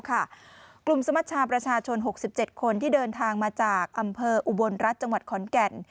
กลุ่มสมัชชาประชาชน๖๗คนที่เดินทางมาจากอำเภออุบลรัฐจังหวัดขอนแก่น